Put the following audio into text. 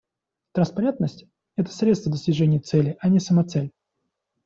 Транспарентность — это средство достижения цели, а не самоцель.